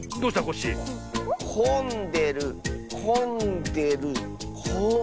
こんでるこんでるこん。